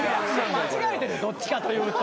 間違えてるどっちかというと。